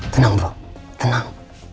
tenang bro tenang